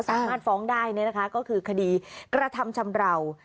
สามารถฟ้องได้ก็คือคดีกระทำชำราว